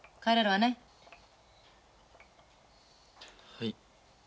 はい。